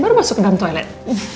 baru masuk dalam toilet